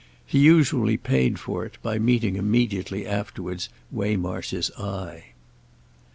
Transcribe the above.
He usually paid for it by meeting immediately afterwards Waymarsh's eye.